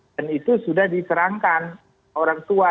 dan itu sudah diserangkan orang tua